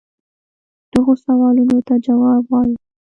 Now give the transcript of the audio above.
دغو سوالونو ته جواب غواړي.